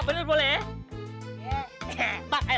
bener boleh ya